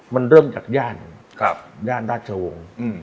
มันเริ่มจากย่านย่านราชวงศ์